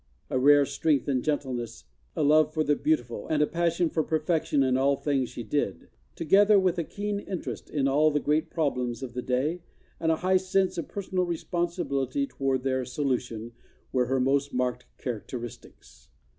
A rare strength and gentleness, a love for the beautiful, and a passion for perfection in all things she did, together with a keen interest in all the great problems of the day and a high sense of personal responsibility toward their solution were her most marked characteristics.